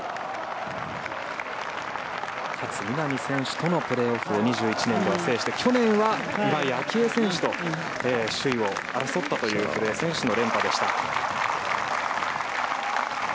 勝みなみ選手とのプレーオフを２０２１年は制して去年は岩井明愛選手と首位を争ったという古江選手の連覇でした。